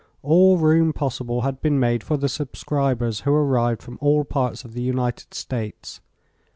All room possible had been made for the subscribers who arrived from all parts of the United States.